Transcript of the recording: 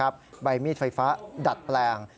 ใบมีดไฟฟ้าดัดแปลง